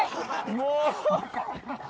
もう！